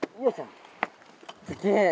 すげえ！